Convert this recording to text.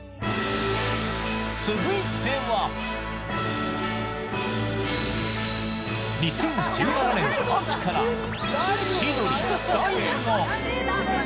続いては２０１７年秋から千鳥・大悟。